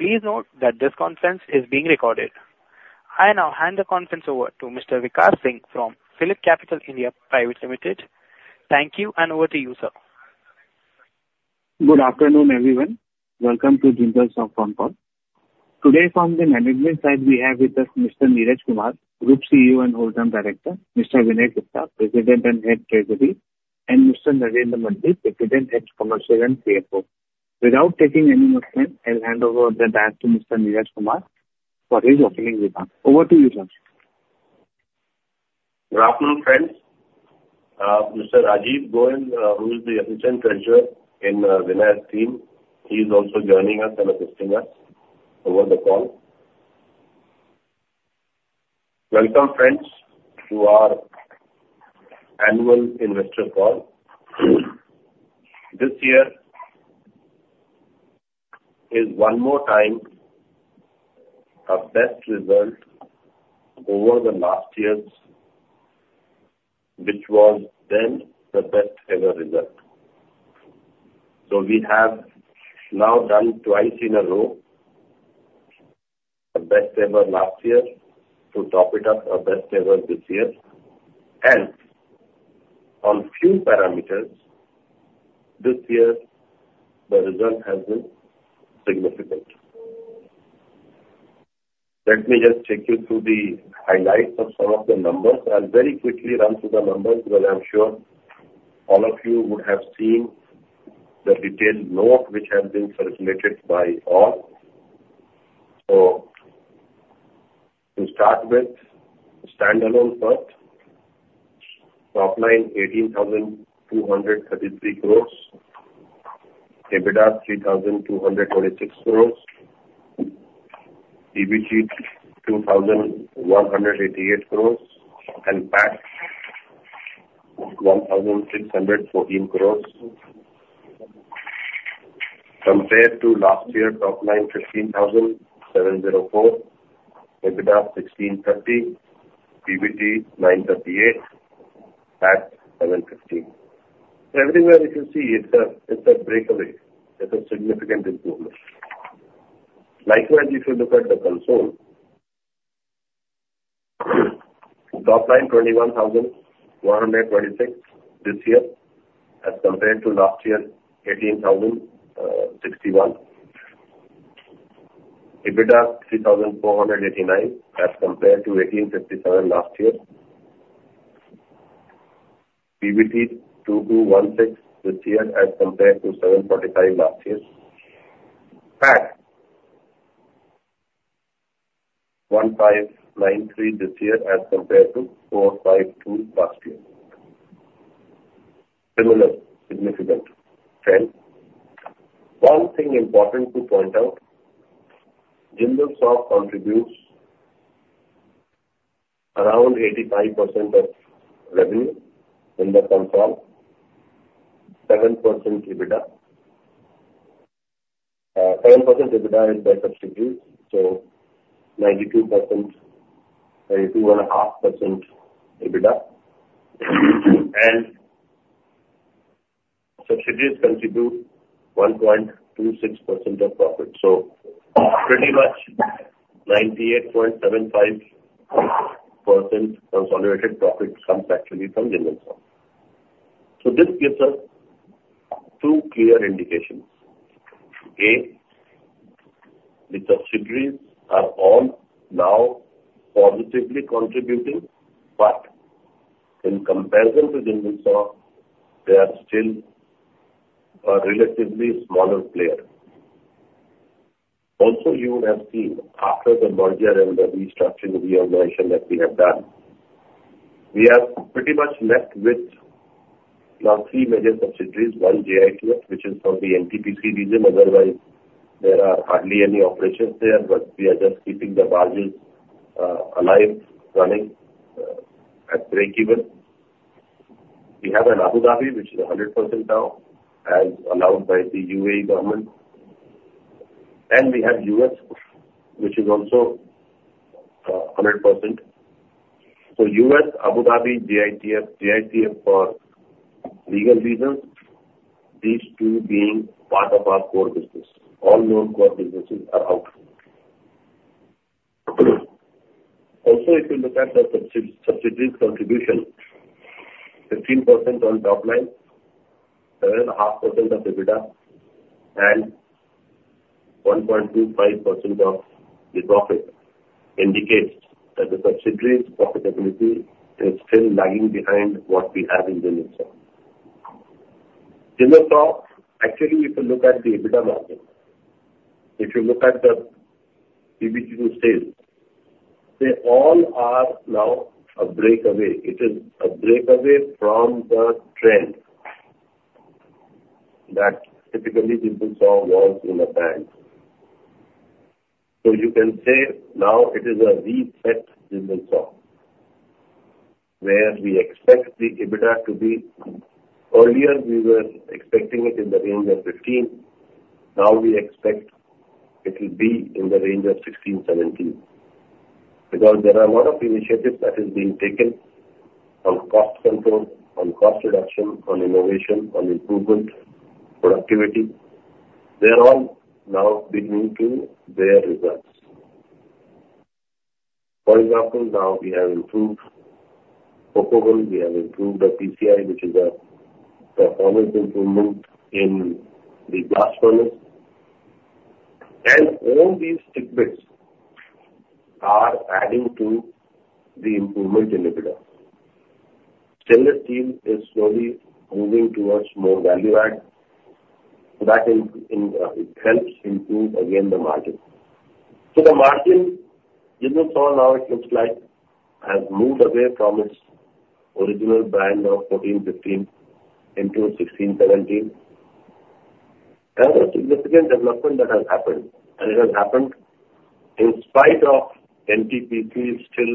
Please note that this conference is being recorded. I now hand the conference over to Mr. Vikas Singh from PhillipCapital (India) Private Limited. Thank you, and over to you, sir. Good afternoon, everyone. Welcome to Jindal SAW Phone Call. Today from the management side, we have with us Mr. Neeraj Kumar, Group CEO and Whole Time Director, Mr. Vinay Gupta, President and Head of Treasury, and Mr. Narendra Mantri, President, Commercial, and CFO. Without taking any more time, I'll hand over the mic to Mr. Neeraj Kumar for his opening remarks. Over to you, sir. Good afternoon, friends. Mr. Rajeev Goel, who is the Assistant Treasurer in Vinay's team, he's also joining us and assisting us over the call. Welcome, friends, to our annual investor call. This year is one more time of best result over the last years, which was then the best ever result. So we have now done twice in a row a best ever last year to top it up a best ever this year. And on few parameters, this year the result has been significant. Let me just take you through the highlights of some of the numbers. I'll very quickly run through the numbers because I'm sure all of you would have seen the detailed note which has been circulated by all. So to start with, standalone first: top line 18,233 crores, EBITDA 3,226 crores, PBT 2,188 crores, and PAT 1,614 crores. Compared to last year, top line 15,704, EBITDA 1,630, PBT 938, PAT 715. Everywhere you can see, it's a, it's a breakaway. It's a significant improvement. Likewise, if you look at the consolidated, top line 21,126 this year as compared to last year's 18,061, EBITDA 3,489 as compared to 1,857 last year, PBT 2,216 this year as compared to 745 last year, PAT INR 1,593 this year as compared to 452 last year. Similar, significant trend. One thing important to point out, Jindal SAW contributes around 85% of revenue in the consolidated, 7% EBITDA. 7% EBITDA is by subsidiaries, so 92%, 92.5% EBITDA. And subsidiaries contribute 1.26% of profit. So pretty much 98.75% consolidated profit comes actually from Jindal SAW. So this gives us two clear indications. A, the subsidiaries are all now positively contributing, but in comparison to Jindal SAW, they are still a relatively smaller player. Also, you would have seen after the merger and the restructuring reorganization that we have done, we have pretty much left with now three major subsidiaries, one JITF, which is from the NTPC region. Otherwise, there are hardly any operations there, but we are just keeping the barges, alive, running, at breakeven. We have an Abu Dhabi, which is 100% now, as allowed by the UAE government. And we have U.S., which is also, 100%. So U.S., Abu Dhabi, JITF, JITF for legal reasons, these two being part of our core business. All known core businesses are out. Also, if you look at the subsidiaries contribution, 15% on top line, 7.5% of EBITDA, and 1.25% of the profit, indicates that the subsidiaries profitability is still lagging behind what we have in Jindal SAW. Jindal Saw, actually, if you look at the EBITDA margin, if you look at the PBT to sales, they all are now a breakaway. It is a breakaway from the trend that typically Jindal Saw was in the past. So you can say now it is a reset Jindal Saw, where we expect the EBITDA to be; earlier we were expecting it in the range of 15%. Now we expect it will be in the range of 16%-17%. Because there are a lot of initiatives that have been taken on cost control, on cost reduction, on innovation, on improvement, productivity. They are all now beginning to bear results. For example, now we have improved Coking Coal, we have improved the PCI, which is a performance improvement in the blast furnace. And all these tidbits are adding to the improvement in EBITDA. Stainless steel is slowly moving towards more value add, so that improvement in it helps improve again the margin. The margin, Jindal SAW now it looks like, has moved away from its original band of 14-15 into 16-17. Another significant development that has happened, and it has happened in spite of NTPC still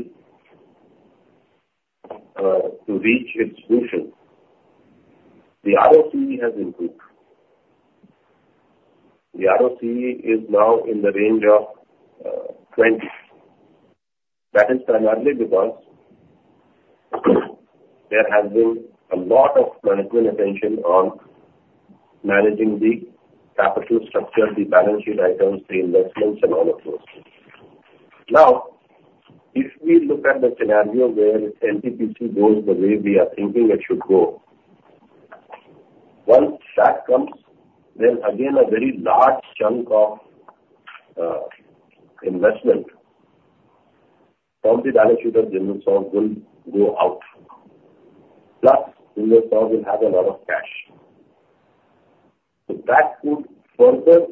to reach its solution, the ROCE has improved. The ROCE is now in the range of 20. That is primarily because there has been a lot of management attention on managing the capital structure, the balance sheet items, the investments, and all of those. Now, if we look at the scenario where NTPC goes the way we are thinking it should go, once that comes, then again a very large chunk of investment from the balance sheet of Jindal SAW will go out. Plus, Jindal SAW will have a lot of cash. So that could further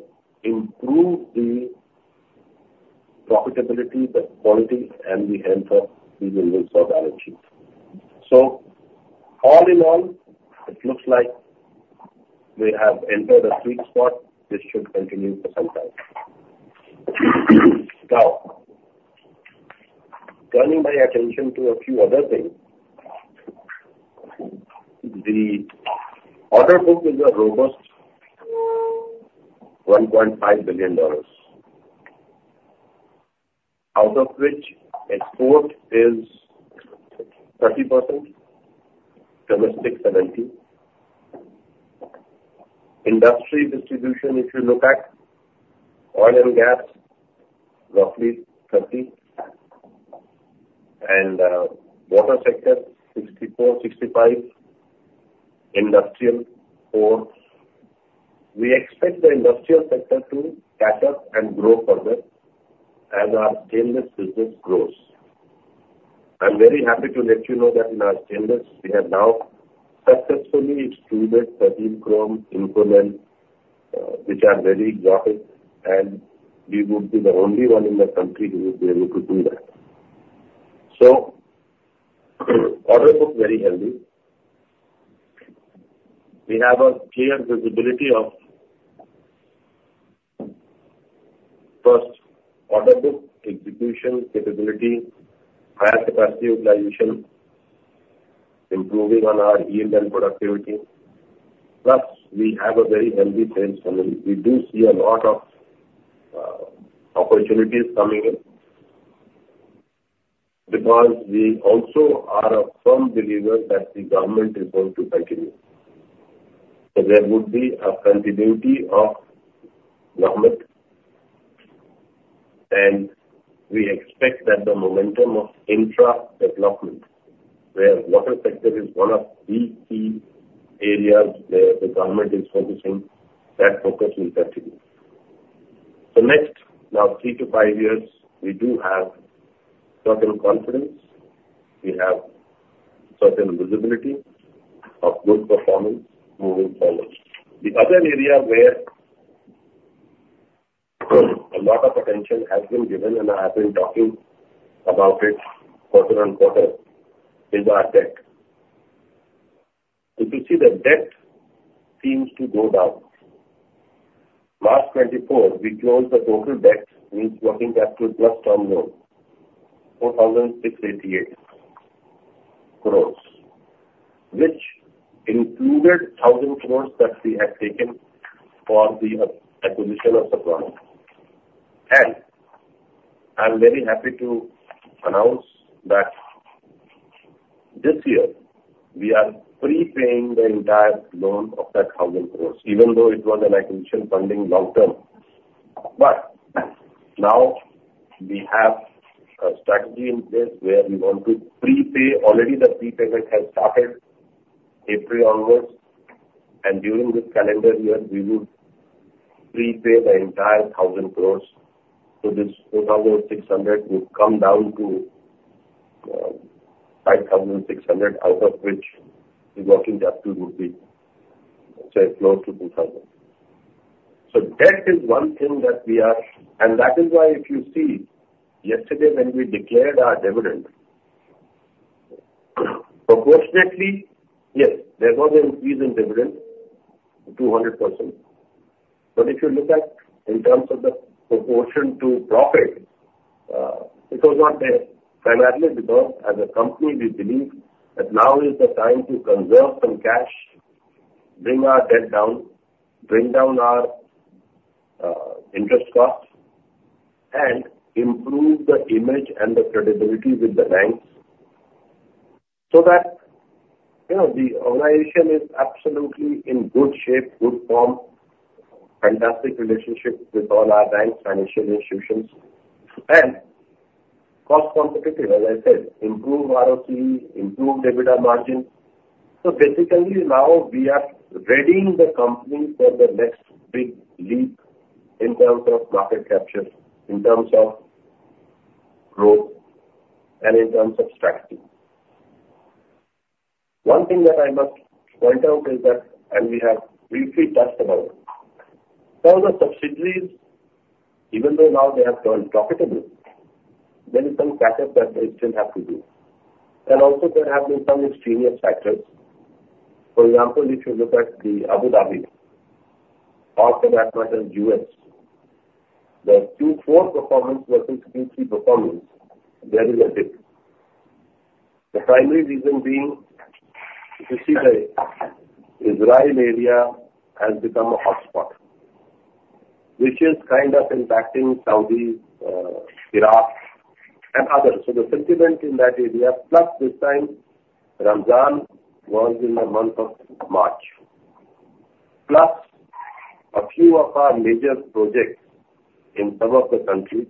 improve the profitability, the quality, and the health of the Jindal SAW balance sheet. So all in all, it looks like we have entered a sweet spot. This should continue for some time. Now, turning my attention to a few other things, the order book is a robust $1.5 billion, out of which export is 30%, domestic 70%, industry distribution if you look at, oil and gas, roughly 30%, and, water sector 64%-65%, industrial 4%. We expect the industrial sector to catch up and grow further as our stainless business grows. I'm very happy to let you know that in our stainless, we have now successfully extruded 13 Chrome grades, which are very exotic, and we would be the only one in the country who would be able to do that. So order book very healthy. We have a clear visibility of, first, order book execution capability, higher capacity utilization, improving on our yield and productivity. Plus, we have a very healthy sales funnel. We do see a lot of opportunities coming in because we also are a firm believer that the government is going to continue. So there would be a continuity of government, and we expect that the momentum of infra development, where water sector is one of the key areas where the government is focusing, that focus will continue. So, next, now 3-5 years, we do have certain confidence; we have certain visibility of good performance moving forward. The other area where a lot of attention has been given, and I have been talking about it quarter-on-quarter, is our debt. If you see that debt seems to go down. March 24, we closed the total debt, means working capital, plus term loan, 4,688 crores, which included 1,000 crores that we had taken for the acquisition of Sathavahana. I'm very happy to announce that this year we are prepaying the entire loan of that 1,000 crores, even though it was an acquisition funding long term. Now we have a strategy in place where we want to prepay already the prepayment has started April onwards, and during this calendar year, we would prepay the entire 1,000 crores. This 4,600 would come down to 5,600, out of which the working capital would be, say, close to 2,000. Debt is one thing that we are and that is why if you see yesterday when we declared our dividend, proportionately, yes, there was an increase in dividend, 200%. But if you look at in terms of the proportion to profit, it was not there, primarily because as a company, we believe that now is the time to conserve some cash, bring our debt down, bring down our interest costs, and improve the image and the credibility with the banks so that, you know, the organization is absolutely in good shape, good form, fantastic relationship with all our banks, financial institutions, and cost competitive, as I said, improve ROCE, improve dividend margin. So basically, now we are readying the company for the next big leap in terms of market capture, in terms of growth, and in terms of strategy. One thing that I must point out is that and we have briefly touched about it. Some of the subsidiaries, even though now they have gone profitable, there is some catch-up that they still have to do. And also, there have been some extraneous factors. For example, if you look at the Abu Dhabi, or for that matter, U.S., the Q4 performance versus Q3 performance, there is a dip. The primary reason being, if you see the Israeli area has become a hotspot, which is kind of impacting Saudi, Iraq, and others. So the sentiment in that area, plus this time, Ramadan was in the month of March, plus a few of our major projects in some of the countries,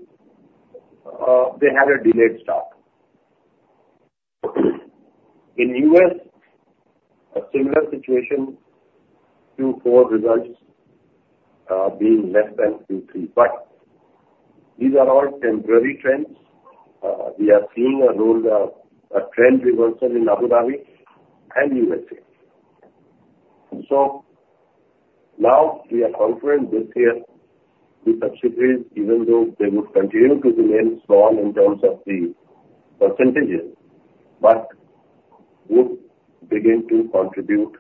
they had a delayed start. In U.S., a similar situation, Q4 results, being less than Q3. But these are all temporary trends. We are seeing overall, a trend reversal in Abu Dhabi and U.S. So now we are confident this year the subsidiaries, even though they would continue to remain small in terms of the percentages, but would begin to contribute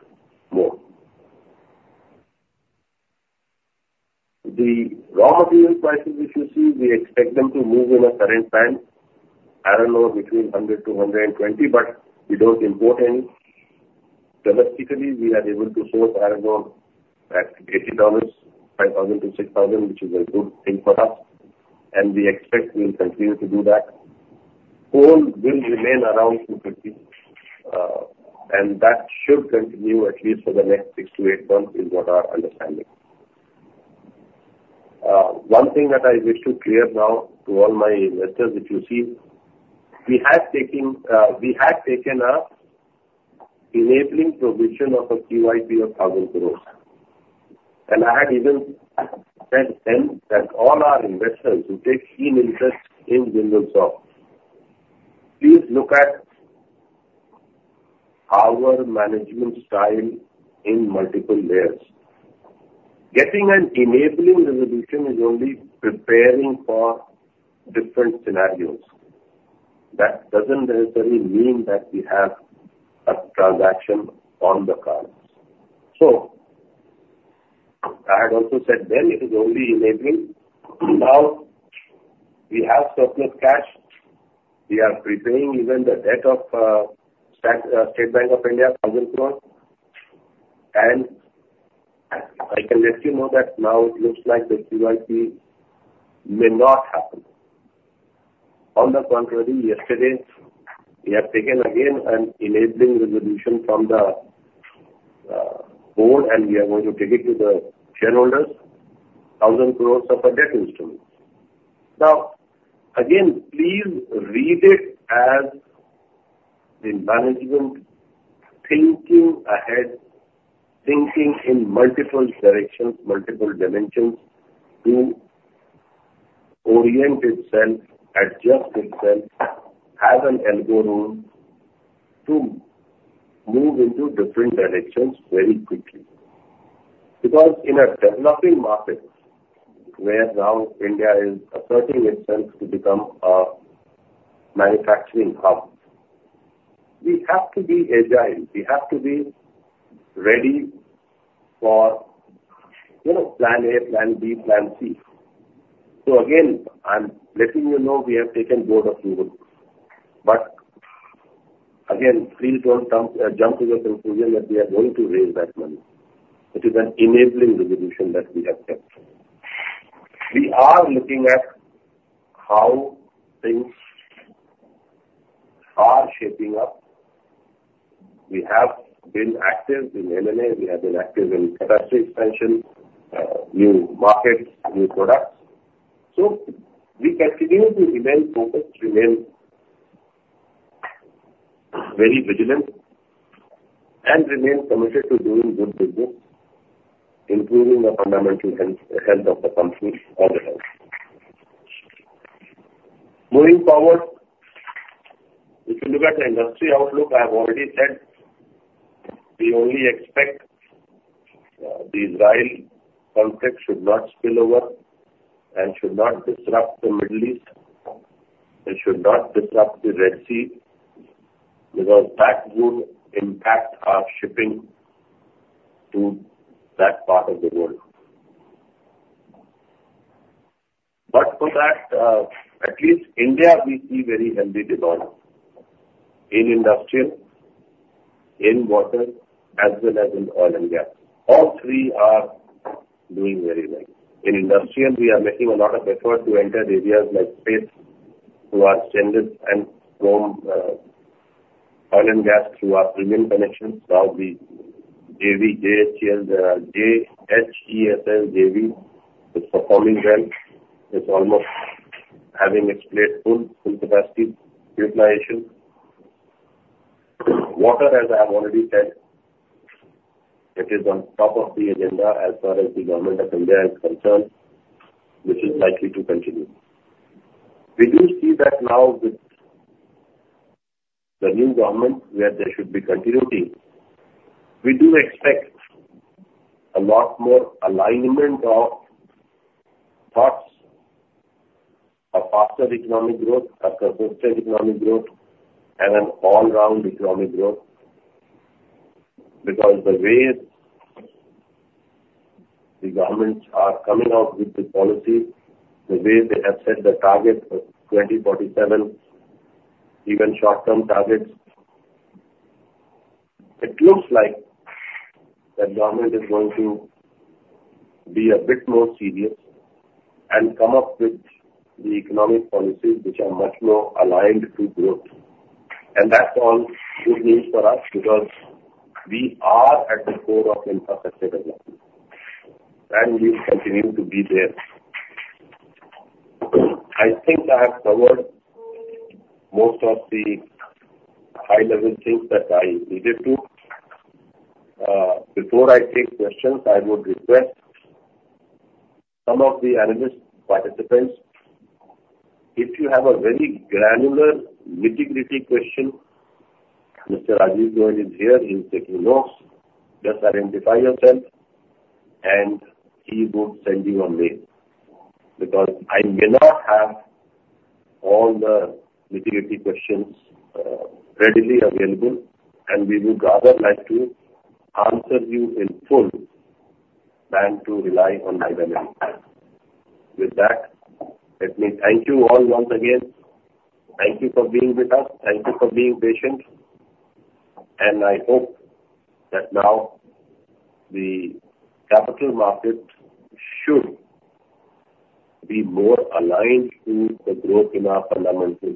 more. The raw material prices, if you see, we expect them to move in a current band, iron ore, between 100-120, but we don't import any. Domestically, we are able to source iron ore at $80, $5,000-$6,000, which is a good thing for us. We expect we'll continue to do that. Coal will remain around 250, and that should continue at least for the next 6-8 months is what our understanding is. One thing that I wish to clear now to all my investors, if you see, we have taken an enabling provision of a QIP of 1,000 crore. I had even said then that all our investors who take keen interest in Jindal SAW, please look at our management style in multiple layers. Getting an enabling resolution is only preparing for different scenarios. That doesn't necessarily mean that we have a transaction on the cards. So I had also said then it is only enabling. Now we have surplus cash. We are preparing even the debt of State Bank of India, 1,000 crore. And I can let you know that now it looks like the QIP may not happen. On the contrary, yesterday, we have taken again an enabling resolution from the board, and we are going to take it to the shareholders, 1,000 crore of a debt instrument. Now, again, please read it as the management thinking ahead, thinking in multiple directions, multiple dimensions, to orient itself, adjust itself, have an elbow room to move into different directions very quickly. Because in a developing market where now India is asserting itself to become a manufacturing hub, we have to be agile. We have to be ready for, you know, plan A, plan B, plan C. So again, I'm letting you know we have taken board approval. But again, please don't jump to the conclusion that we are going to raise that money. It is an enabling resolution that we have kept. We are looking at how things are shaping up. We have been active in M&A. We have been active in capacity expansion, new markets, new products. So we continue to remain focused, remain very vigilant, and remain committed to doing good business, improving the fundamental health, health of the company, all the health. Moving forward, if you look at the industry outlook, I have already said we only expect, the Israeli conflict should not spill over and should not disrupt the Middle East. It should not disrupt the Red Sea because that would impact our shipping to that part of the world. But for that, at least India, we see very healthy demand in industrial, in water, as well as in oil and gas. All three are doing very well. In industrial, we are making a lot of effort to enter areas like space through our stainless and chrome, oil and gas through our premium connections. Now the JV, JHESL, JV, is performing well. It's almost having full, full capacity utilization. Water, as I have already said, it is on top of the agenda as far as the government of India is concerned, which is likely to continue. We do see that now with the new government where there should be continuity. We do expect a lot more alignment of thoughts, a faster economic growth, a consistent economic growth, and an all-round economic growth because the way the governments are coming out with the policies, the way they have set the target of 2047, even short-term targets. It looks like that government is going to be a bit more serious and come up with the economic policies which are much more aligned to growth. That's all good news for us because we are at the core of infrastructure development, and we'll continue to be there. I think I have covered most of the high-level things that I needed to. Before I take questions, I would request some of the analyst participants, if you have a very granular, nitty-gritty question Mr. Rajeev Goel is here, he's taking notes, just identify yourself, and he would send you a mail because I may not have all the nitty-gritty questions, readily available, and we would rather like to answer you in full than to rely on my memory. With that, let me thank you all once again. Thank you for being with us. Thank you for being patient. I hope that now the capital market should be more aligned to the growth in our fundamental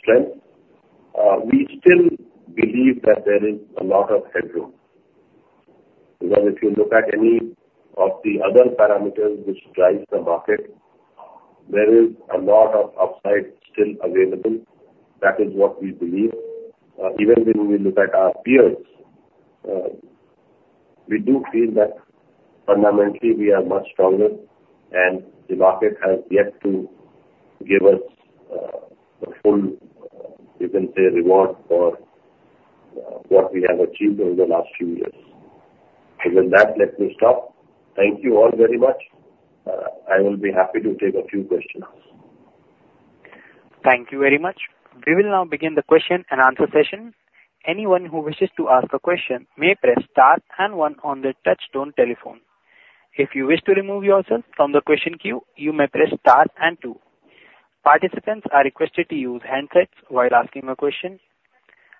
strength. We still believe that there is a lot of headroom because if you look at any of the other parameters which drive the market, there is a lot of upside still available. That is what we believe. Even when we look at our peers, we do feel that fundamentally, we are much stronger, and the market has yet to give us, the full, you can say, reward for, what we have achieved over the last few years. So with that, let me stop. Thank you all very much. I will be happy to take a few questions. Thank you very much. We will now begin the question and answer session. Anyone who wishes to ask a question may press star and one on the touch-tone telephone. If you wish to remove yourself from the question queue, you may press star and two. Participants are requested to use handsets while asking a question.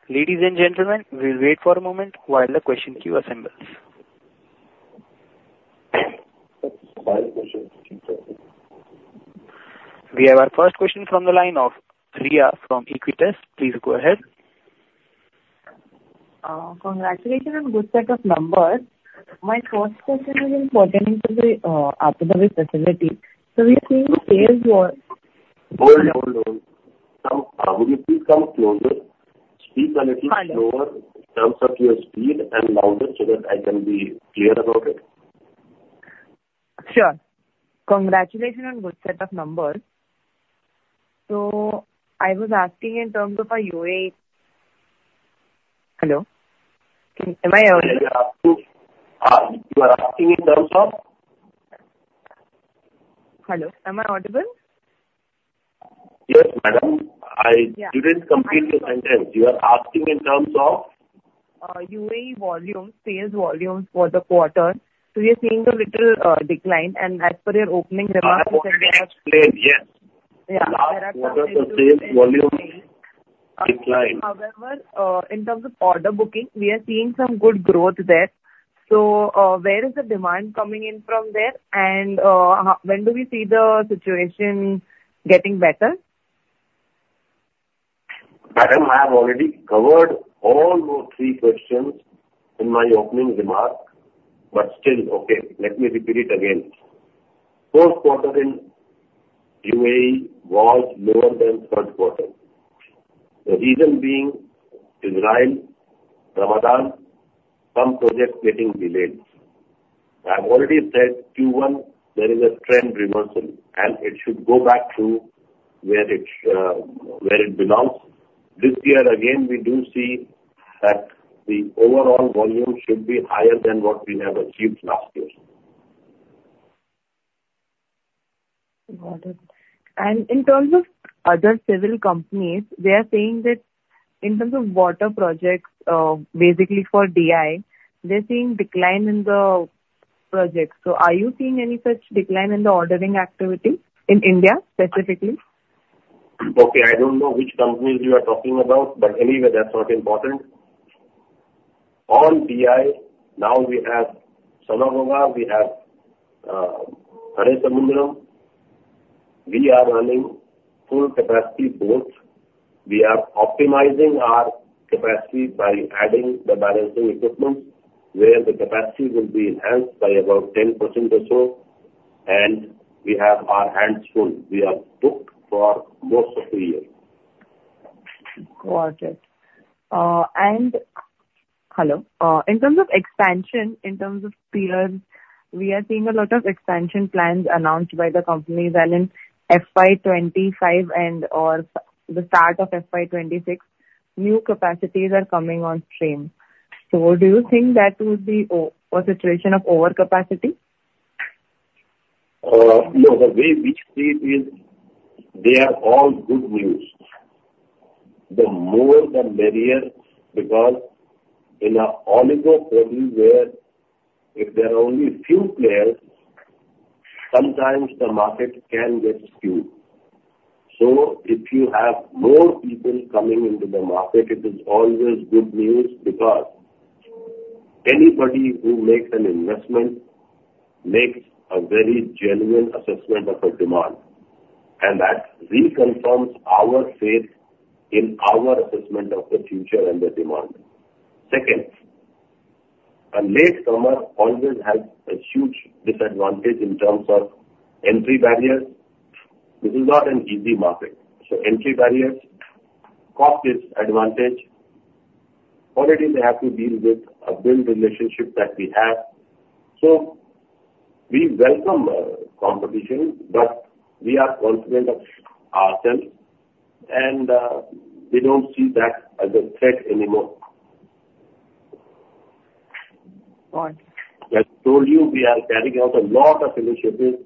Ladies and gentlemen, we'll wait for a moment while the question queue assembles. That's the final question. We have our first question from the line of Rhea from Equirus. Please go ahead. Congratulations and good set of numbers. My first question is in pertaining to the Abu Dhabi facility. So we are seeing the sales were. Hold on, hold on. Come, would you please come closer? Speak a little slower in terms of your speed and louder so that I can be clear about it. Sure. Congratulations on a good set of numbers. So I was asking in terms of a UA hello? Am I audible? Yeah, you are asking in terms of? Hello? Am I audible? Yes, madam. I didn't complete your sentence. You are asking in terms of? UA volumes, sales volumes for the quarter. So we are seeing a little decline. And as per your opening remarks, I said that. I want to explain. Yes. Yeah. Last quarter, the sales volume declined. However, in terms of order booking, we are seeing some good growth there. Where is the demand coming in from there? And, when do we see the situation getting better? Madam, I have already covered all those three questions in my opening remark. But still, okay, let me repeat it again. Q4 in UAE was lower than Q3. The reason being Israel, Ramadan, some projects getting delayed. I have already said Q1, there is a trend reversal, and it should go back to where it, where it belongs. This year, again, we do see that the overall volume should be higher than what we have achieved last year. Got it. And in terms of other civil companies, they are saying that in terms of water projects, basically for DI, they're seeing decline in the projects. So are you seeing any such decline in the ordering activity in India specifically? Okay. I don't know which companies you are talking about, but anyway, that's not important. On DI, now we have Samaghogha, we have Haresamudram. We are running full capacity both. We are optimizing our capacity by adding the balancing equipment where the capacity will be enhanced by about 10% or so. We have our hands full. We are booked for most of the year. Got it. And hello? In terms of expansion, in terms of peers, we are seeing a lot of expansion plans announced by the companies, and in FY 2025 and/or the start of FY 2026, new capacities are coming on stream. So do you think that would be a situation of overcapacity? No. The way we see it is they are all good news. The more, the merrier because in an oligopoly where if there are only a few players, sometimes the market can get skewed. So if you have more people coming into the market, it is always good news because anybody who makes an investment makes a very genuine assessment of the demand. And that reconfirms our faith in our assessment of the future and the demand. Second, a late comer always has a huge disadvantage in terms of entry barriers. This is not an easy market. So entry barriers, cost is an advantage. Already, they have to deal with a built relationship that we have. So we welcome competition, but we are confident of ourselves, and we don't see that as a threat anymore. Got it. As I told you, we are carrying out a lot of initiatives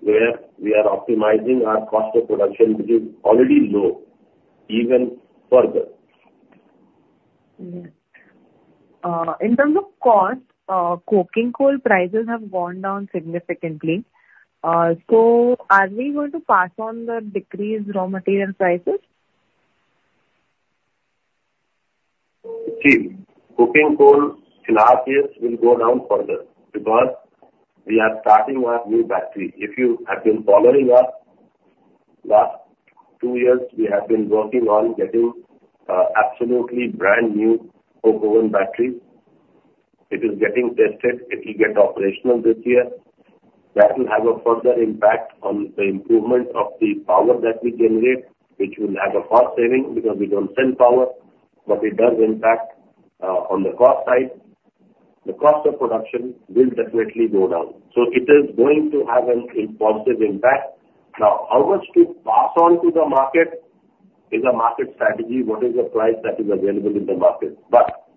where we are optimizing our cost of production, which is already low, even further. Yes. In terms of cost, cooking coal prices have gone down significantly. So are we going to pass on the decreased raw material prices? See, cooking coal in our case will go down further because we are starting our new battery. If you have been following us, last two years, we have been working on getting absolutely brand new coal batteries. It is getting tested. It will get operational this year. That will have a further impact on the improvement of the power that we generate, which will have a cost saving because we don't sell power. But it does impact on the cost side. The cost of production will definitely go down. So it is going to have an impulsive impact. Now, how much to pass on to the market is a market strategy. What is the price that is available in the market? But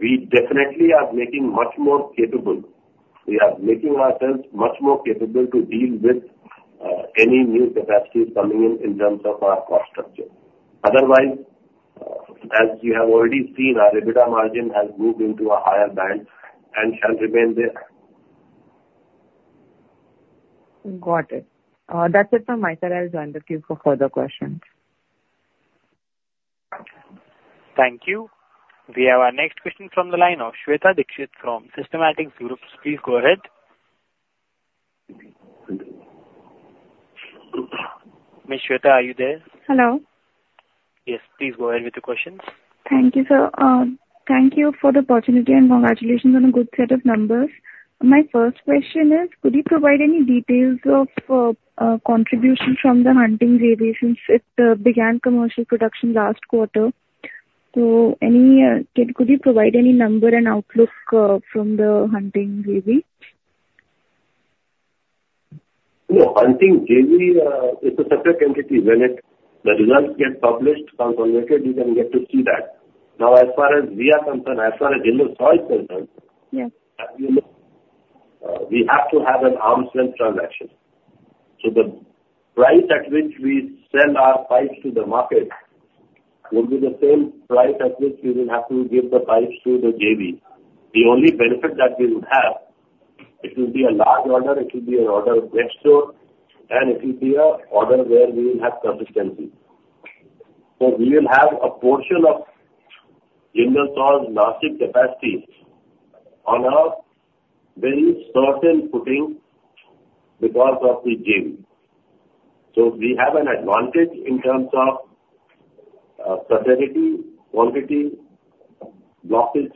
we definitely are making much more capable. We are making ourselves much more capable to deal with any new capacities coming in in terms of our cost structure. Otherwise, as you have already seen, our EBITDA margin has moved into a higher band and shall remain there. Got it. That's it from me. So I'll join the queue for further questions. Thank you. We have our next question from the line of Shweta Dikshit from Systematix Groups. Please go ahead. Ms. Shweta, are you there? Hello. Yes. Please go ahead with your questions. Thank you, sir. Thank you for the opportunity, and congratulations on a good set of numbers. My first question is, could you provide any details of contribution from the Hunting JV since it began commercial production last quarter? So any, could you provide any number and outlook from the Hunting JV? No. Hunting JV, it's a separate entity. When the results get published, consolidated, you can get to see that. Now, as far as we are concerned, as far as Jindal SAW Nashik is concerned, as you know, we have to have an arm's-length transaction. So the price at which we sell our pipes to the market will be the same price at which we will have to give the pipes to the JV. The only benefit that we would have, it will be a large order. It will be an order of next door, and it will be an order where we will have consistency. So we will have a portion of Jindal SAW Nashik's capacity on our very certain footing because of the JV. So we have an advantage in terms of, severity, quantity, blockage,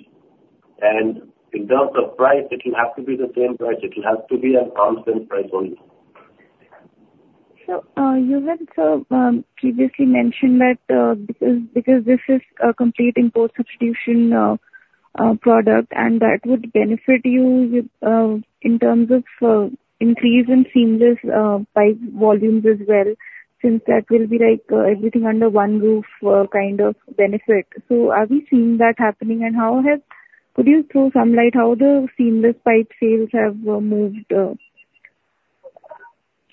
and in terms of price, it will have to be the same price. It will have to be a constant price only. So, you had previously mentioned that, because this is a complete import substitution product, and that would benefit you, in terms of increase in seamless pipe volumes as well since that will be like everything under one roof, kind of benefit. So are we seeing that happening? And how could you throw some light how the seamless pipe sales have moved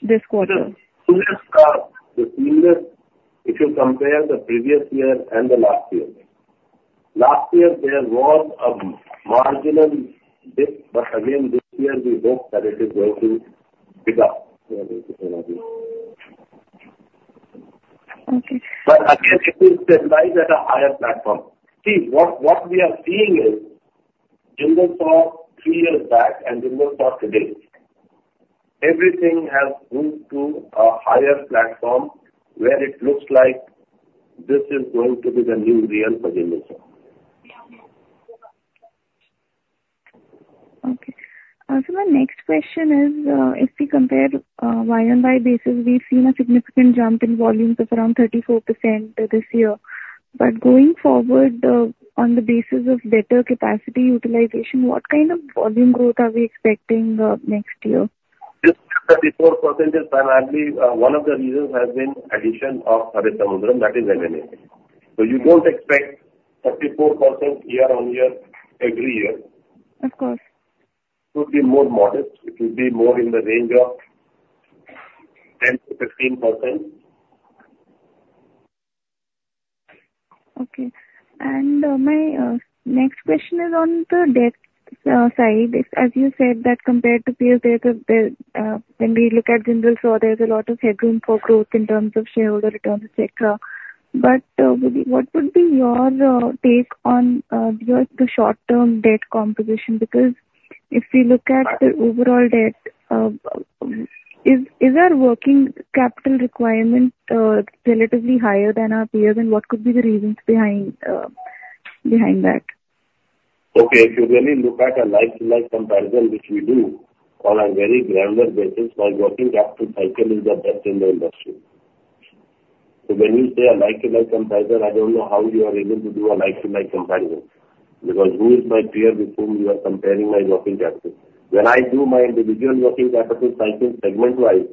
this quarter? The seamless, if you compare the previous year and the last year, last year, there was a marginal dip. But again, this year, we hope that it is going to pick up. Okay. But again, it will stabilize at a higher platform. See, what, what we are seeing is Jindal SAW three years back and Jindal SAW today, everything has moved to a higher platform where it looks like this is going to be the new real for Jindal SAW. Okay. So my next question is, if we compare year-on-year basis, we've seen a significant jump in volumes of around 34% this year. But going forward, on the basis of better capacity utilization, what kind of volume growth are we expecting next year? This year, 34% is primarily one of the reasons has been addition of Haresamudram. That is M&A. So you don't expect 34% year-on-year every year. Of course. It would be more modest. It would be more in the range of 10%-15%. Okay. My next question is on the debt side. As you said that compared to peers, when we look at Jindal SAW, there's a lot of headroom for growth in terms of shareholder return, etc. But what would be your take on the short-term debt composition? Because if we look at the overall debt, is our working capital requirement relatively higher than our peers? And what could be the reasons behind that? Okay. If you really look at a like-to-like comparison, which we do on a very granular basis, my working capital cycle is the best in the industry. So when you say a like-to-like comparison, I don't know how you are able to do a like-to-like comparison because who is my peer with whom you are comparing my working capital? When I do my individual working capital cycle segment-wise,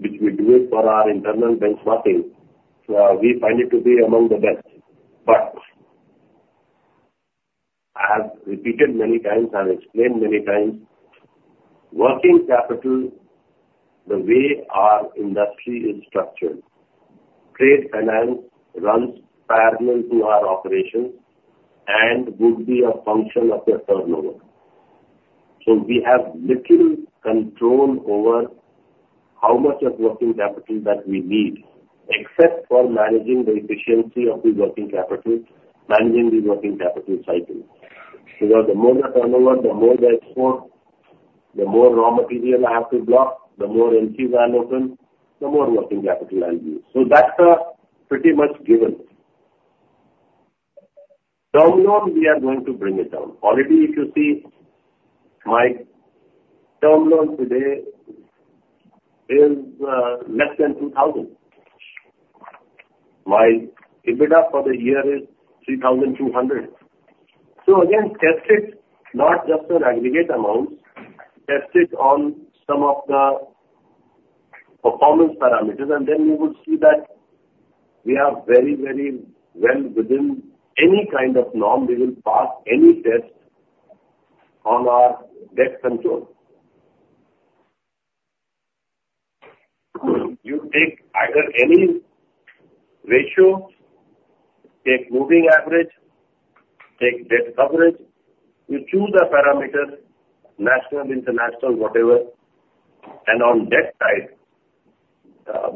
which we do it for our internal benchmarking, we find it to be among the best. But I have repeated many times, I have explained many times, working capital, the way our industry is structured, trade finance runs parallel to our operations and would be a function of the turnover. So we have little control over how much of working capital that we need except for managing the efficiency of the working capital, managing the working capital cycle. Because the more the turnover, the more the export, the more raw material I have to block, the more entries I'll open, the more working capital I'll use. So that's pretty much given. Term loan, we are going to bring it down. Already, if you see, my term loan today is less than 2,000. My EBITDA for the year is 3,200. So again, test it not just on aggregate amounts, test it on some of the performance parameters. And then you would see that we are very, very well within any kind of norm. We will pass any test on our debt control. You take either any ratio, take moving average, take debt coverage. You choose a parameter, national, international, whatever. And on debt side,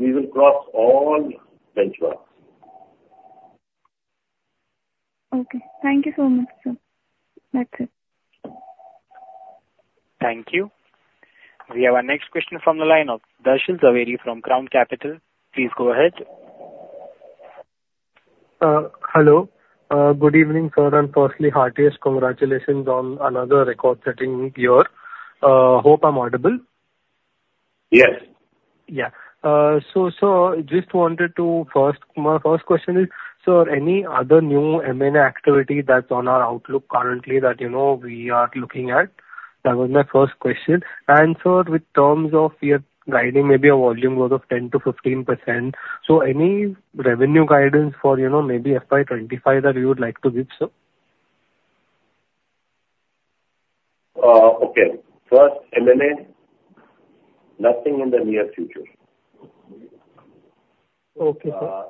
we will cross all benchmarks. Okay. Thank you so much, sir. That's it. Thank you. We have our next question from the line of Darshil Jhaveri from Crown Capital. Please go ahead. Hello. Good evening, sir. Firstly, heartiest congratulations on another record-setting week here. Hope I'm audible. Yes. Yeah. So, sir, just wanted to first my first question is, sir, any other new M&A activity that's on our outlook currently that, you know, we are looking at? That was my first question. And, sir, with terms of we are guiding maybe a volume growth of 10%-15%, so any revenue guidance for, you know, maybe FY 2025 that you would like to give, sir? Okay. First, M&A, nothing in the near future. Okay, sir.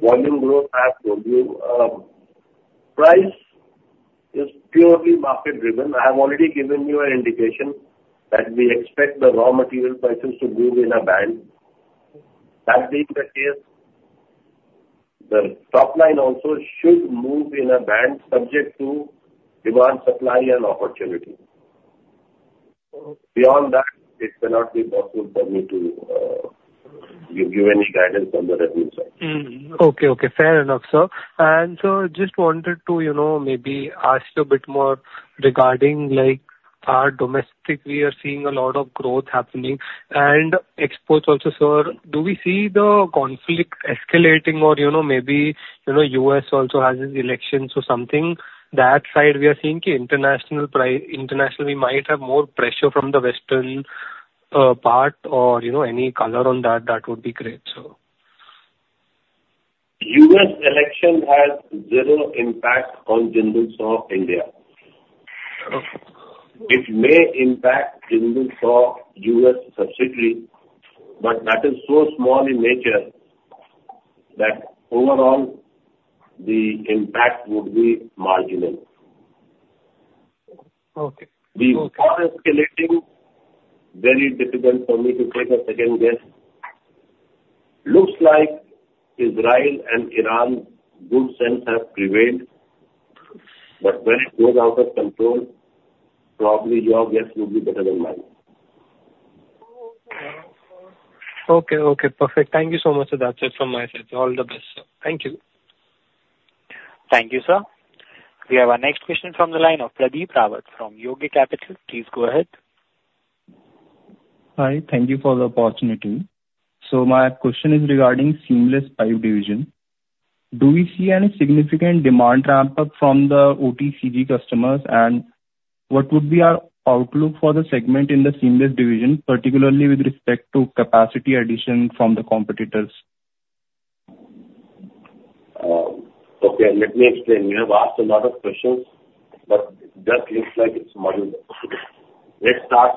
volume growth, I have told you. Price is purely market-driven. I have already given you an indication that we expect the raw material prices to move in a band. That being the case, the top line also should move in a band subject to demand, supply, and opportunity. Beyond that, it cannot be possible for me to give any guidance on the revenue side. Okay, okay. Fair enough, sir. And, sir, just wanted to, you know, maybe ask you a bit more regarding, like, our domestic. We are seeing a lot of growth happening. And exports also, sir, do we see the conflict escalating or, you know, maybe, you know, US also has its elections or something? That side, we are seeing key international price international, we might have more pressure from the Western part or, you know, any color on that, that would be great, sir. U.S. election has zero impact on Jindal SAW India. It may impact Jindal SAW U.S. subsidiary, but that is so small in nature that overall, the impact would be marginal. Okay. Okay. The import escalating, very difficult for me to take a second guess. Looks like Israel and Iran, good sense have prevailed. But when it goes out of control, probably your guess would be better than mine. Okay, okay. Perfect. Thank you so much, sir. That's it from my side. All the best, sir. Thank you. Thank you, sir. We have our next question from the line of Pradeep Rawat from Yogi Capital. Please go ahead. Hi. Thank you for the opportunity. My question is regarding seamless pipe division. Do we see any significant demand ramp-up from the OCTG customers? And what would be our outlook for the segment in the seamless division, particularly with respect to capacity addition from the competitors? Okay. Let me explain. You have asked a lot of questions, but it just looks like it's moderate. Let's start,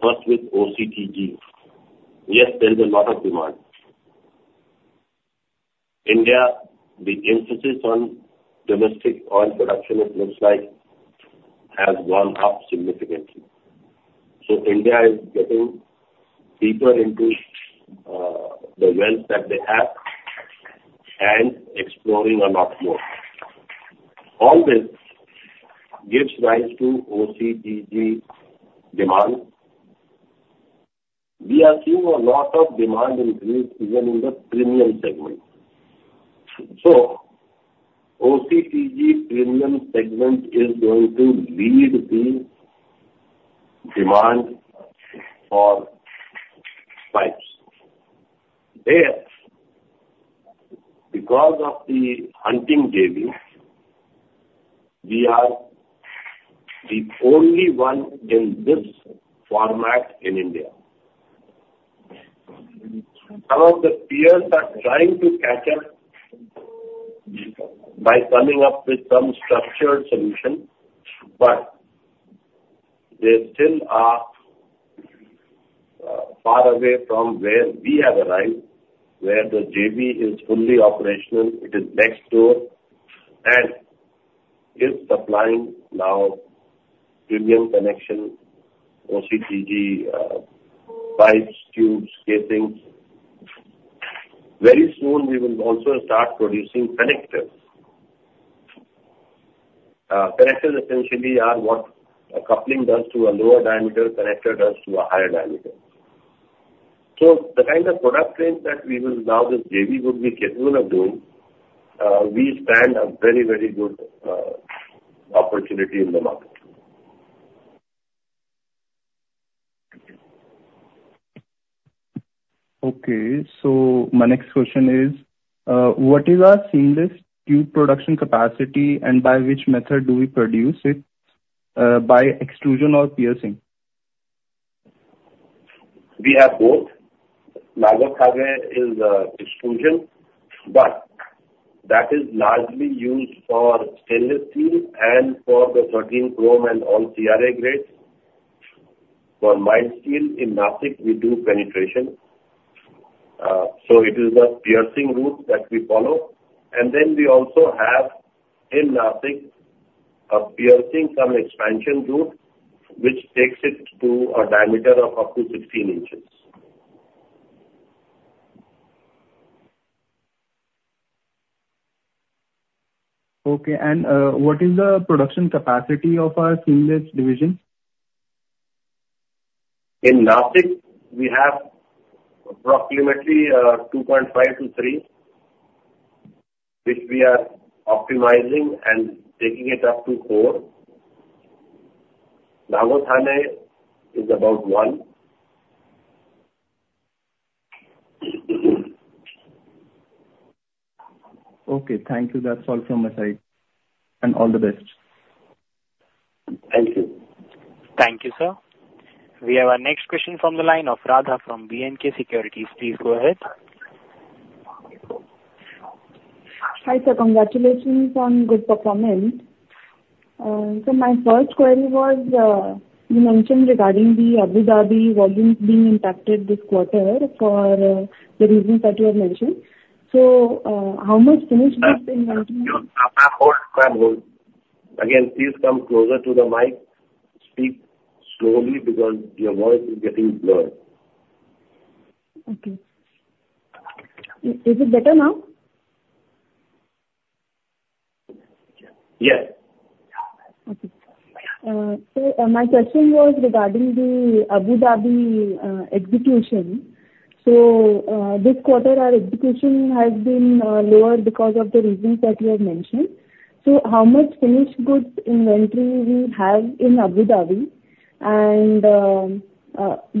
first with OCTG. Yes, there's a lot of demand. India, the emphasis on domestic oil production, it looks like, has gone up significantly. So India is getting deeper into, the wealth that they have and exploring a lot more. All this gives rise to OCTG demand. We are seeing a lot of demand increase even in the premium segment. So OCTG premium segment is going to lead the demand for pipes. There, because of the Hunting JV, we are the only one in this format in India. Some of the peers are trying to catch up by coming up with some structured solution, but they still are, far away from where we have arrived, where the JV is fully operational. It is next door and is supplying now premium connection OCTG pipes, tubes, casings. Very soon, we will also start producing connectors. Connectors essentially are what a coupling does to a lower diameter, connector does to a higher diameter. So the kind of product range that we will now this JV would be capable of doing, we stand a very, very good opportunity in the market. Okay. So my next question is, what is our seamless tube production capacity, and by which method do we produce it? By extrusion or piercing? We have both. Nagore Kaveh is extrusion, but that is largely used for stainless steel and for the 13 Chrome and all CRA grades. For mild steel in Nashik, we do penetration, so it is the piercing route that we follow. And then we also have in Nashik, piercing cum expansion route, which takes it to a diameter of up to 16 inches. Okay. And what is the production capacity of our seamless division? In Nashik, we have approximately 2.5-3, which we are optimizing and taking it up to 4. Nagore Kaveh is about 1. Okay. Thank you. That's all from my side. And all the best. Thank you. Thank you, sir. We have our next question from the line of Radha from B&K Securities. Please go ahead. Hi, sir. Congratulations on good performance. So my first query was, you mentioned regarding the Abu Dhabi volumes being impacted this quarter for the reasons that you have mentioned. So, how much finished goods inventory? You have a hold. Again, please come closer to the mic, speak slowly because your voice is getting blurred. Okay. Is it better now? Yes. Okay, so my question was regarding the Abu Dhabi execution. So, this quarter, our execution has been lower because of the reasons that you have mentioned. So how much finished goods inventory we have in Abu Dhabi? And,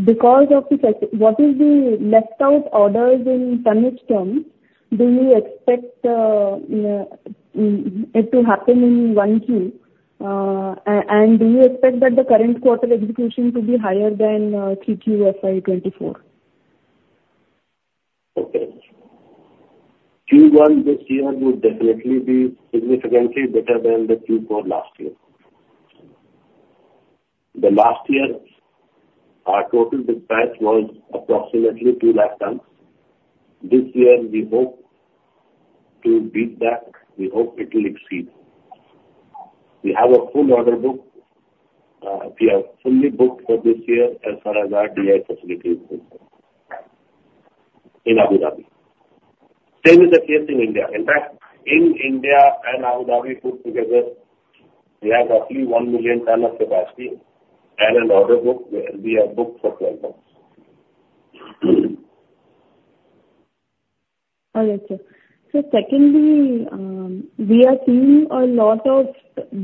because of the what is the left-out orders in tonnage terms? Do you expect, you know, it to happen in Q1? And do you expect that the current quarter execution to be higher than Q2 FY 2024? Okay. Q1 this year would definitely be significantly better than the Q4 last year. The last year, our total dispatch was approximately 200,000 tons. This year, we hope to beat that. We hope it will exceed. We have a full order book. We are fully booked for this year as far as our DI facilities in Abu Dhabi. Same is the case in India. In fact, in India and Abu Dhabi, put together, we have roughly 1,000,000 tons of capacity and an order book where we are booked for 12 months. All right, sir. So secondly, we are seeing a lot of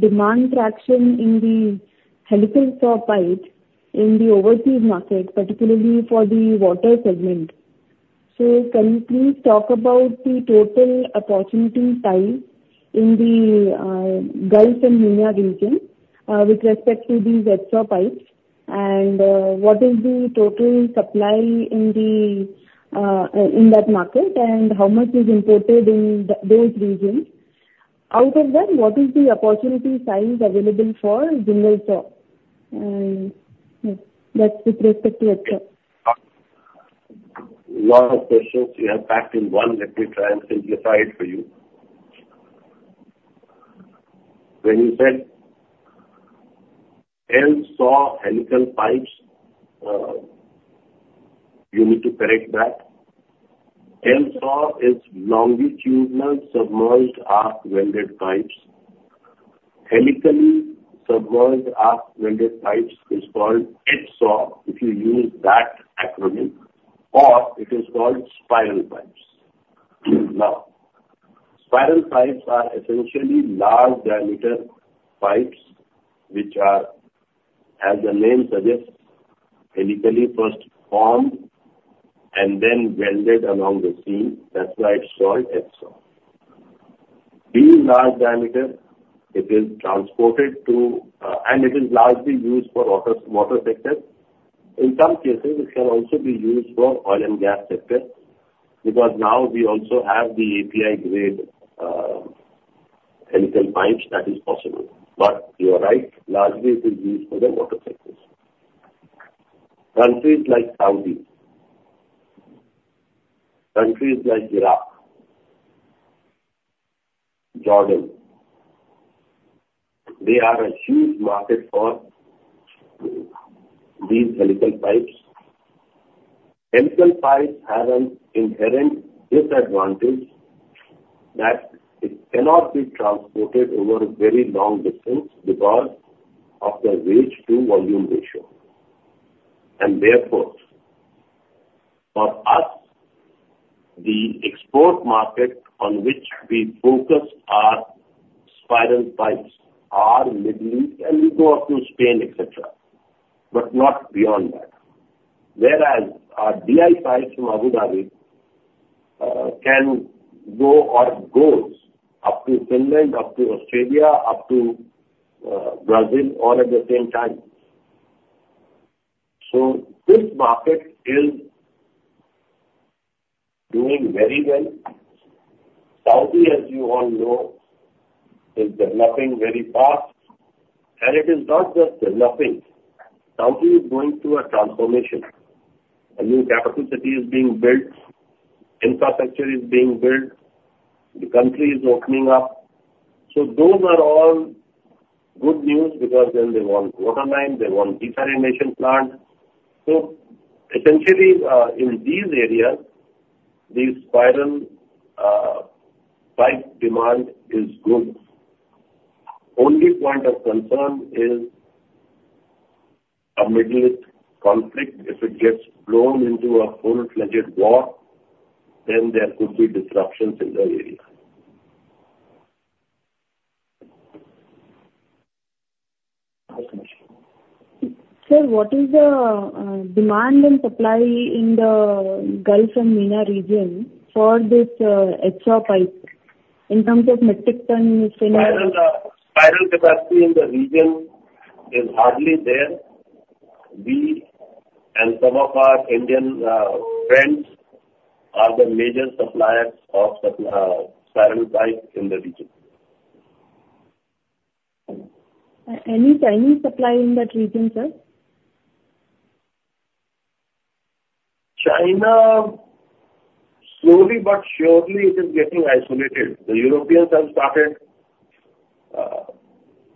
demand traction in the helical SAW pipe in the overseas market, particularly for the water segment. So can you please talk about the total opportunity size in the Gulf and MENA region, with respect to these HSAW pipes? And what is the total supply in that market, and how much is imported in those regions? Out of that, what is the opportunity size available for Jindal SAW? And that's with respect to HSAW. A lot of questions you have packed in one. Let me try and simplify it for you. When you said LSAW helical pipes, you need to correct that. LSAW is longitudinal submerged arc welded pipes. Helically submerged arc welded pipes is called HSAW if you use that acronym, or it is called spiral pipes. Now, spiral pipes are essentially large diameter pipes which are, as the name suggests, helically first formed and then welded along the seam. That's why it's called HSAW. Being large diameter, it is transported to, and it is largely used for water sectors. In some cases, it can also be used for oil and gas sectors because now we also have the API grade, helical pipes that is possible. But you are right. Largely, it is used for the water sectors. Countries like Saudi, countries like Iraq, Jordan, they are a huge market for these helical pipes. Helical pipes have an inherent disadvantage that it cannot be transported over very long distances because of the weight-to-volume ratio. And therefore, for us, the export market on which we focus our spiral pipes are Middle East, and we go up to Spain, etc., but not beyond that. Whereas our DI pipes from Abu Dhabi can go or goes up to Finland, up to Australia, up to Brazil all at the same time. So this market is doing very well. Saudi, as you all know, is developing very fast. And it is not just developing. Saudi is going through a transformation. A new capital city is being built. Infrastructure is being built. The country is opening up. So those are all good news because then they want water line. They want desalination plant. Essentially, in these areas, the spiral pipe demand is good. Only point of concern is a Middle East conflict. If it gets blown into a full-fledged war, then there could be disruptions in the area. Sir, what is the demand and supply in the Gulf and MENA region for this HSAW pipe in terms of metric tons? Spiral capacity in the region is hardly there. We and some of our Indian friends are the major suppliers of spiral pipe in the region. Any Chinese supply in that region, sir? China, slowly but surely, it is getting isolated. The Europeans have started,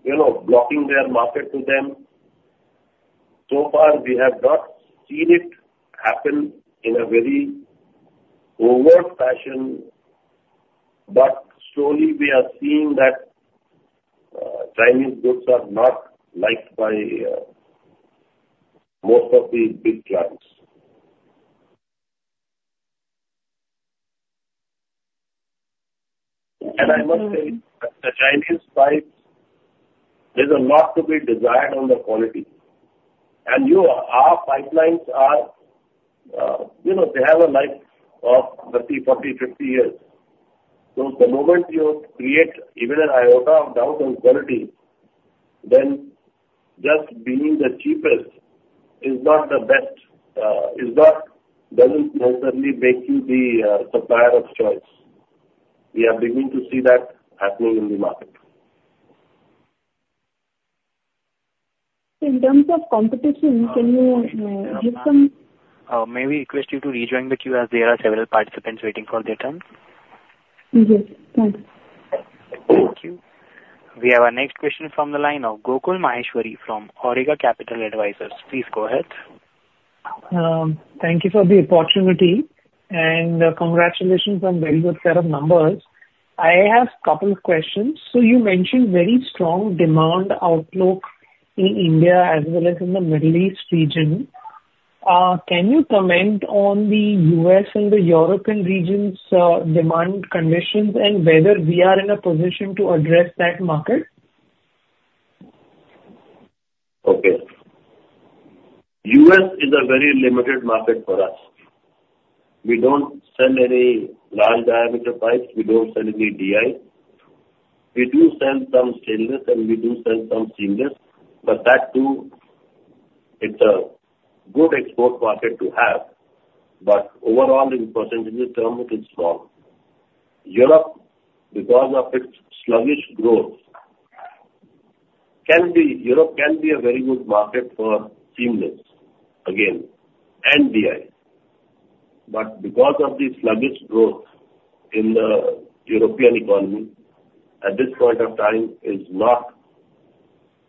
you know, blocking their market to them. So far, we have not seen it happen in a very overt fashion. But slowly, we are seeing that, Chinese goods are not liked by, most of the big clients. And I must say, the Chinese pipes, there's a lot to be desired on the quality. And your, our pipelines are, you know, they have a life of 30, 40, 50 years. So the moment you create even an iota of doubt on quality, then just being the cheapest is not the best, is not doesn't necessarily make you the, supplier of choice. We are beginning to see that happening in the market. In terms of competition, can you give some? Oh, may we request you to rejoin the queue as there are several participants waiting for their turn? Yes. Thanks. Thank you. We have our next question from the line of Gokul Maheshwari from Awriga Capital Advisors. Please go ahead. Thank you for the opportunity. Congratulations on very good set of numbers. I have a couple of questions. You mentioned very strong demand outlook in India as well as in the Middle East region. Can you comment on the U.S. and the European regions' demand conditions and whether we are in a position to address that market? Okay. The U.S. is a very limited market for us. We don't sell any large diameter pipes. We don't sell any DI. We do sell some stainless, and we do sell some seamless. But that too, it's a good export market to have. But overall, in percentage terms, it is small. Europe, because of its sluggish growth, can be a very good market for seamless, again, and DI. But because of the sluggish growth in the European economy, at this point of time, it is not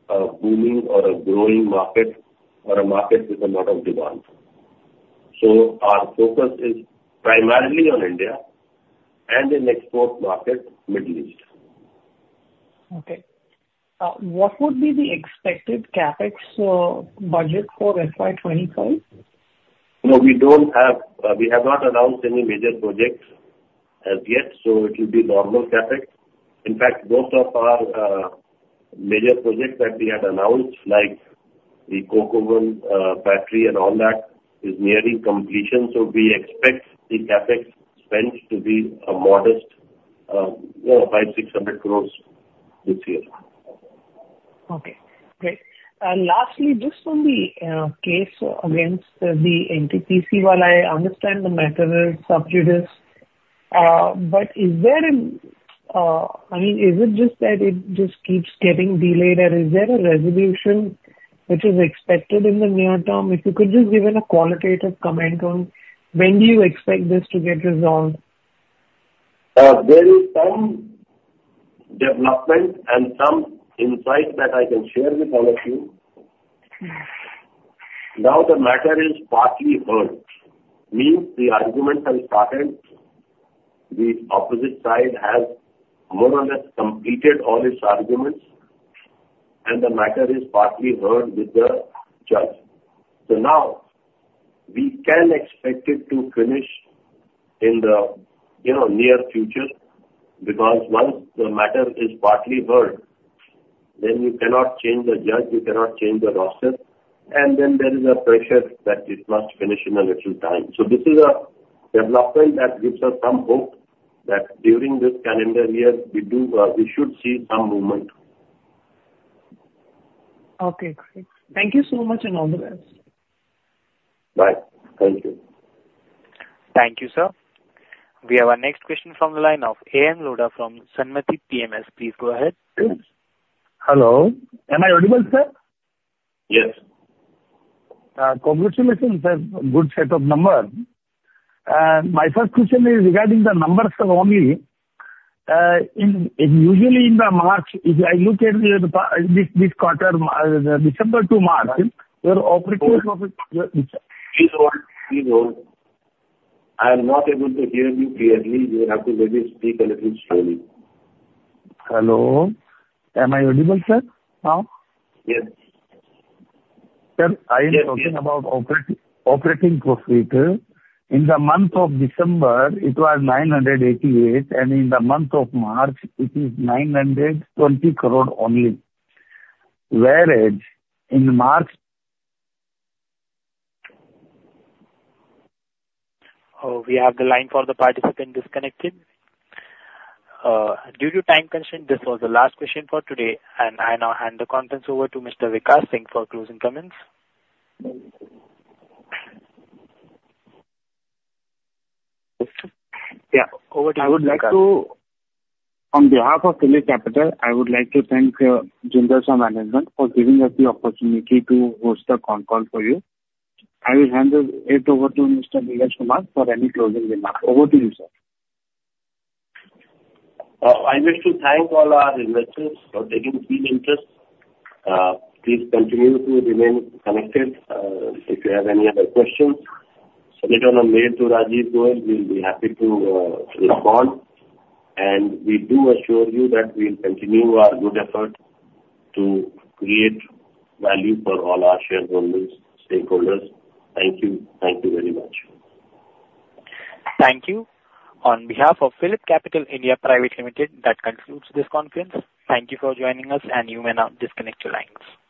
a booming or a growing market or a market with a lot of demand. So our focus is primarily on India and an export market, Middle East. Okay. What would be the expected CapEx budget for FY 2025? No, we have not announced any major projects as yet. So it will be normal CapEx. In fact, most of our major projects that we had announced, like the Coke Oven battery and all that, is nearing completion. So we expect the CapEx spent to be a modest, you know, 500-600 crore this year. Okay. Great. And lastly, just on the case against the NTPC one, I understand the matter is sub-judice. But is there an, I mean, is it just that it just keeps getting delayed, or is there a resolution which is expected in the near term? If you could just give a qualitative comment on when do you expect this to get resolved? There is some development and some insight that I can share with all of you. Now, the matter is partly heard. That means the arguments have started. The opposite side has more or less completed all its arguments. The matter is partly heard with the judge. So now, we can expect it to finish in the, you know, near future because once the matter is partly heard, then you cannot change the judge. You cannot change the roster. Then there is a pressure that it must finish in a little time. This is a development that gives us some hope that during this calendar year, we do, we should see some movement. Okay. Great. Thank you so much, and all the best. Bye. Thank you. Thank you, sir. We have our next question from the line of A.M. Lodha from Sanmati PMS. Please go ahead. Hello. Am I audible, sir? Yes. Congratulations, sir. Good set of numbers. And my first question is regarding the numbers alone. Usually in the March, if I look at this quarter, December to March, your operative profit your. Please hold. Please hold. I am not able to hear you clearly. You will have to maybe speak a little slowly. Hello. Am I audible, sir, now? Yes. Sir, I am talking about operating, operating profit. In the month of December, it was 988. In the month of March, it is 920 crore only. Whereas in March. Oh, we have the line for the participant disconnected. Due to time constraint, this was the last question for today. I now hand the contents over to Mr. Vikas Singh for closing comments. Yeah. Over to you, Vikas Singh. I would like to, on behalf of PhillipCapital, thank Jindal SAW Management for giving us the opportunity to host the concall for you. I will hand it over to Mr. Vikash Singh for any closing remarks. Over to you, sir. I wish to thank all our investors for taking keen interest. Please continue to remain connected, if you have any other questions. Submit on a mail to Rajeev Goel. We'll be happy to respond. And we do assure you that we'll continue our good effort to create value for all our shareholders, stakeholders. Thank you. Thank you very much. Thank you. On behalf of PhillipCapital (India) Private Limited, that concludes this conference. Thank you for joining us. You may now disconnect your lines.